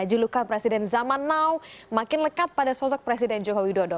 julukan presiden zaman now makin lekat pada sosok presiden joko widodo